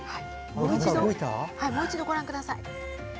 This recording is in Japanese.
もう一度、ご覧ください。